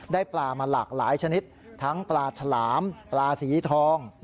ได้ปลามาหลากหลายชนิดทั้งปลาฉลามปลาสีทอง